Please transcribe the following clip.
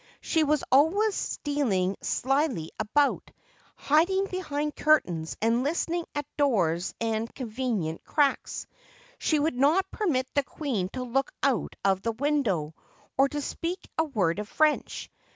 She was always steahng slyly about, hiding be hind curtains, and hstening at doors and convenient cracks. She would not permit the queen to look out of the window, or to speak a word of French.